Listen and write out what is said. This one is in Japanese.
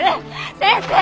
先生！